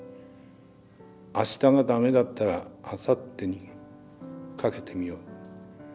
あしたがだめだったらあさってにかけてみよう。